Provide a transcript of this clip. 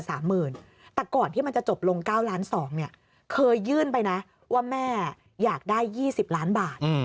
แต่ก่อนที่มันจะจบลง๙ล้าน๒เนี่ยเคยยื่นไปนะว่าแม่อยากได้๒๐ล้านบาท